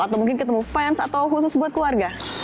atau mungkin ketemu fans atau khusus buat keluarga